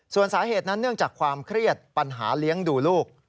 ส่วนสาเหตุนั้นเนื่องจากความเครียดปัญหาเลี้ยงดูลูก